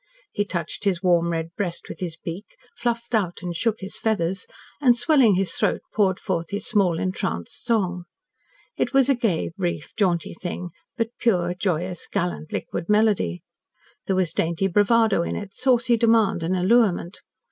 He touched his warm red breast with his beak, fluffed out and shook his feathers, and, swelling his throat, poured forth his small, entranced song. It was a gay, brief, jaunty thing, but pure, joyous, gallant, liquid melody. There was dainty bravado in it, saucy demand and allurement.